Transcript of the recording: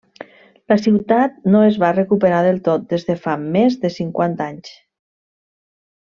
La ciutat no es va recuperar del tot des de fa més de cinquanta anys.